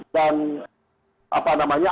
dan apa namanya